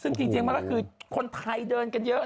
ซึ่งจริงมันก็คือคนไทยเดินกันเยอะ